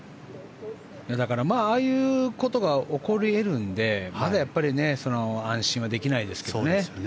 だから、ああいうことが起こり得るんでまだ安心はできないですけどね。